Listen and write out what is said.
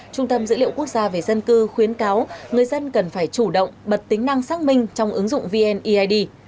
trung tâm dữ liệu quốc gia về dân cư khuyến cáo người dân cần phải chủ động bật tính năng xác minh trong ứng dụng vneid